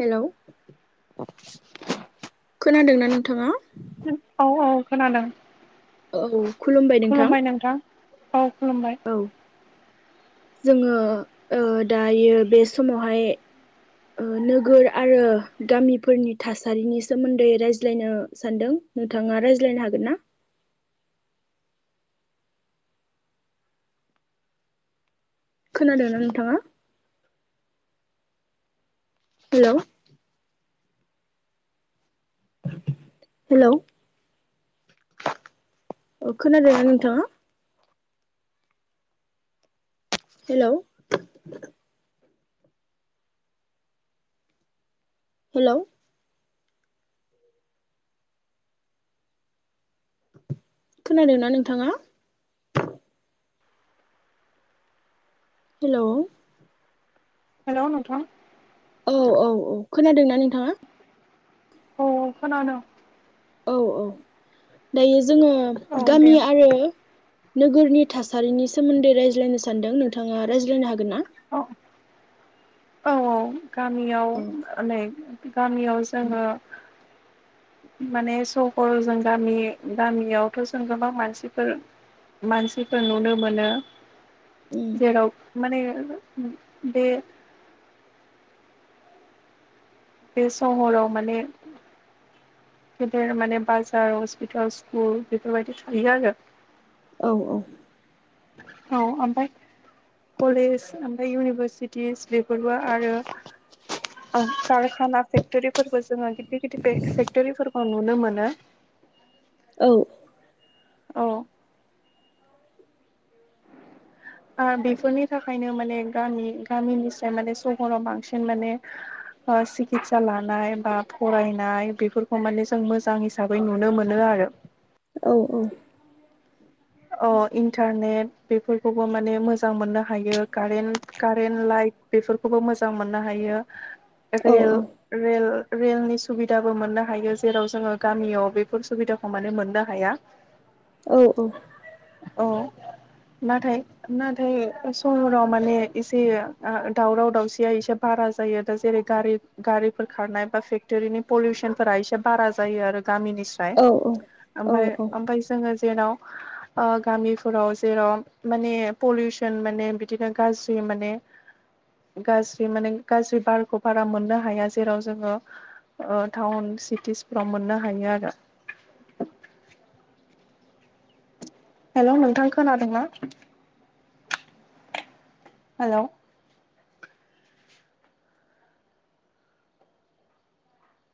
Hello खोनादोंना नोंथाङा? औ औ खोनादों। औ खुलुमबाय खुलुमबाय नोंथां, औ खुलुमबाय। औ जोङो ओ दायो बे समावहाय ओ नोगोर आरो गामिफोरनि थासारिनि सोमोन्दै रायज्लायनो सानदों। नोंथाङा रायज्लायनो हागोन ना? खोनादों ना नोंथाङा? हेलौ हेलौ ओ खोनादोंना नोंथाङा? हेलौ हेलौ खोनादोंना नोंथाङा? हेलौ हेलौ‌ नोंथां औ औ औ खोनादों ना नोंथाङा? औ औ खोनादों। औ औ दायो जोङो औ दे गामि आरो नोगोरनि थासारिनि सोमोन्दै रायज्लायनो सानदों नोंथाङा रायज्लायनो हागोन ना? औ औ औ गामियाव औ नै गामियाव जोङो माने सहर जों गामि गामियावथ' जों गोबां मानसिफोर मानसिफोर नुनो मोनो जेराव माने बे बे सहराव माने गेदेर माने बाजार, हस्पिताल, स्कुल बेफोरबायदि थायो आरो औ औ औ ओमफाय कलेज ओमफ्राय इउनिभारसिटिस बेफोरबो आरो [inaudible] कारखाना फेक्टरिबो जोङो गिदिर गिदिर फेक्ट'रिफोरखौ नुनो मोनो औ औ ओ बेफोरनि थाखायनो माने गामि गामिनिसाय माने सहराव बांसिन माने ओ सिकित्सा लानाय बा फरायनाय बेफोरखौ माने जों मोजां हिसाबै नुनो मोनो आरो। औ औ अ इन्टारनेट बेफोरखौबो माने मोजां मोननो हायो। कारेन्ट कारेन्ट लाइट बेफोरखौबो मोजां मोननो हायो। [inaudible] रेल रेल रेलनि सुबिदाबो मोननो हायो जेराव जोङो गामियाव बेफोर सुबिदाखौ माने मोननो हाया। औ औ औ [inaudible] नाथाय नाथाय सहराव माने एसे दावराव दावसिया एसे बारा जायो दा जेरै गारि गारिफोर खारनाय बा फेक्ट'रिनि पलिउसनफोरा एसे बारा जायो आरो गामिनि औ औ ओम औ ओमफ्राय जोङो जेराव गामिफोराव जेराव माने पलिउसन माने बिदिनो गाज्रि माने गाज्रि माने गाज्रि बारखौ बारा मोननो हाया जेराव जोङो टाउन सिटिसफोराव मोननो हायो आरो। हेल' नोंथां खोनादोंना हेल'